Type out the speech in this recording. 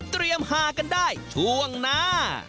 เตรียมหากันได้ช่วงหน้า